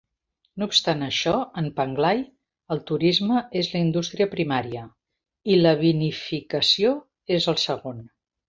No obstant això, en Penglai, el turisme és la indústria primària, i la vinificació és el segon.